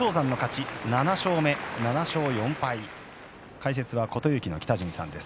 解説は琴勇輝の北陣さんです。